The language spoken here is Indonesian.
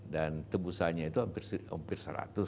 dan tebusannya itu hampir seratus